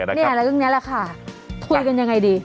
แล้วเรื่องนี้แหละค่ะคุยกันยังไงดี